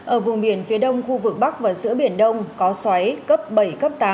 ở vùng biển phía đông khu vực bắc và giữa biển đông có xoáy cấp bảy cấp tám